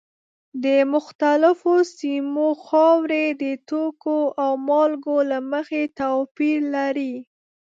د مختلفو سیمو خاورې د توکو او مالګو له مخې توپیر لري.